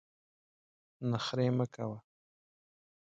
نخرې مه کوه !